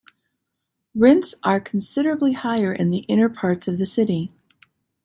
Rents are considerably higher in the inner parts of the city.